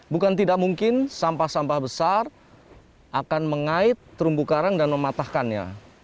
bukan tidak mungkin sampah sampah besar akan mengait terumbu karang dan mematahkannya